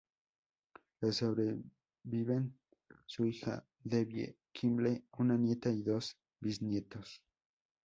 Le sobreviven su hija, Debbie Kimble, una nieta y dos bisnietos.